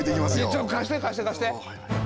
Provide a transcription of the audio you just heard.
ちょっと貸して貸して貸して。